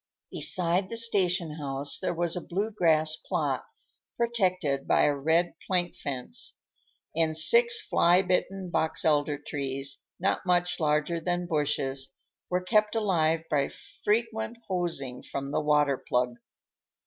Beside the station house there was a blue grass plot, protected by a red plank fence, and six fly bitten box elder trees, not much larger than bushes, were kept alive by frequent hosings from the water plug.